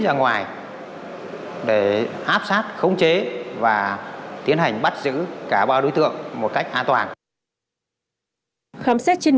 ra ngoài để áp sát khống chế và tiến hành bắt giữ cả ba đối tượng một cách an toàn khám xét trên